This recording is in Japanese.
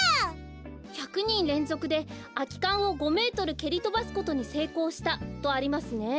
「１００にんれんぞくであきかんを５メートルけりとばすことにせいこうした」とありますね。